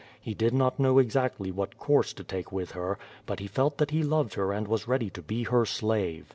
He did not know exactly what course to take with her, but he felt that he loved her and was ready to be her slave.